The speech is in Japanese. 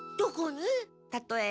たとえば。